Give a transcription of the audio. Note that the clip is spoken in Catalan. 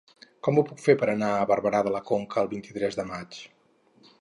Com ho puc fer per anar a Barberà de la Conca el vint-i-tres de maig?